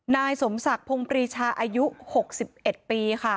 นายสมศักดิ์พงปรีชาอายุ๖๑ปีค่ะ